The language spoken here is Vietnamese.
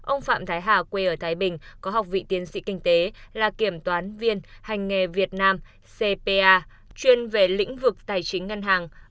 ông phạm thái hà quê ở thái bình có học vị tiến sĩ kinh tế là kiểm toán viên hành nghề việt nam cpa chuyên về lĩnh vực tài chính ngân hàng